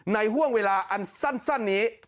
ห่วงเวลาอันสั้นนี้